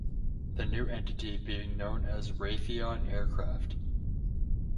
The new entity being known as Raytheon Aircraft.